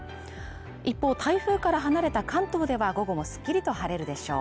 一方台風から離れた関東では午後もすっきりと晴れるでしょう